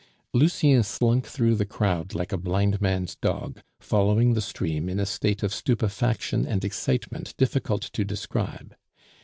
Lucien slunk through the crowd like a blind man's dog, following the stream in a state of stupefaction and excitement difficult to describe.